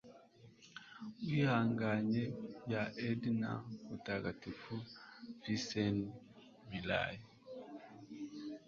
uwihannye ya edna mutagatifu visenti millay